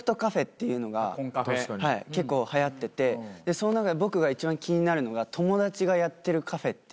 その中でも僕が一番気になるのが友達がやってるカフェっていう。